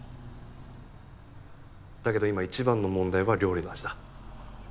だけど今一番の問題は料理の味だ。